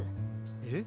えっ？